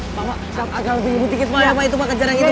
mama agak lebih dihubungi dikit mama itu mah kejar yang itu